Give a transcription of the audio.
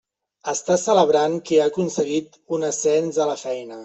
Està celebrant que ha aconseguit un ascens a la feina.